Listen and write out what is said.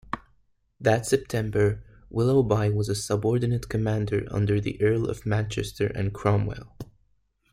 That September, Willoughby was a subordinate commander under the Earl of Manchester and Cromwell.